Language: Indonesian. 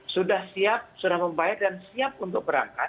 sudah siap sudah membayar dan siap untuk berangkat